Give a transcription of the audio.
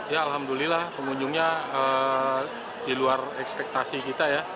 ya alhamdulillah pengunjungnya di luar ekspektasi kita ya